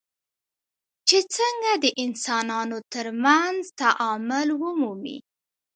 چې څنګه د انسانانو ترمنځ تعامل ومومي.